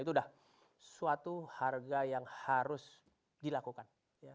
itu sudah suatu harga yang harus dilakukan